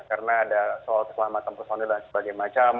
karena ada soal keselamatan personil dan sebagainya macam